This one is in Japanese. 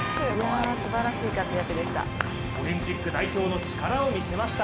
すばらしい活躍でした。